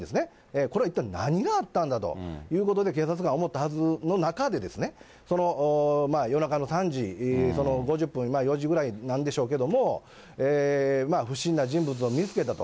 これは一体何があったんだということで、警察官の中で、その夜中の３時５０分、４時ぐらいなんでしょうけども、不審な人物を見つけたと。